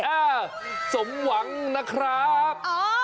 เออสมหวังนะครับ